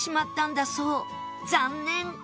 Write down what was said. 残念！